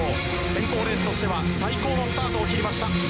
選考レースとしては最高のスタートを切りました。